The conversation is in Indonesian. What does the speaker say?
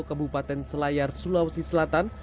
kebupaten selayar sulawesi selatan